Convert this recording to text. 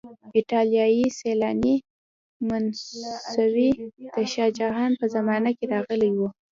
ایټالیایی سیلانی منوسي د شاه جهان په زمانه کې راغلی و.